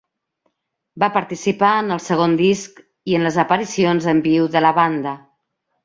Va participar en el seu segon disc i en les aparicions en viu de la banda.